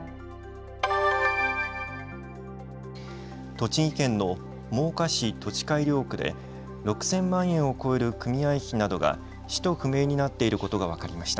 栃木県の真岡市土地改良区で６０００万円を超える組合費などが使途不明になっていることが分かりました。